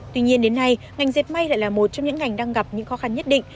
tuy nhiên đến nay ngành dẹp may lại là một trong những ngành đang gặp những khó khăn nhất định